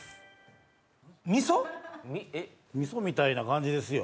味噌⁉味噌みたいな感じですよ。